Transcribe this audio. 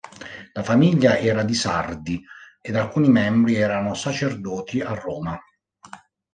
La famiglia era di Sardi, ed alcuni membri erano sacerdoti a Roma.